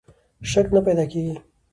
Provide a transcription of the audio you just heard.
شک نه پیدا کېږي.